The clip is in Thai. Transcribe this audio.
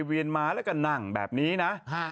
เวียนมาแล้วก็นั่งแบบนี้นะ